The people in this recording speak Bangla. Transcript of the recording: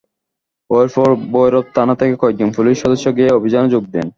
এরপর ভৈরব থানা থেকে কয়েকজন পুলিশ সদস্য গিয়ে অভিযানে যোগ দেন।